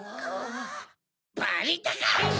バレたか！